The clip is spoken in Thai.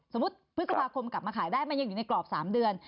พฤษภาคมกลับมาขายได้มันยังอยู่ในกรอบ๓เดือน